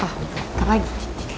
ah bentar lagi